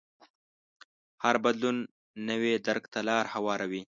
هر بدلون نوي درک ته لار هواروي.